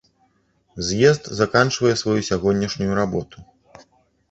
З'езд заканчвае сваю сягонняшнюю работу.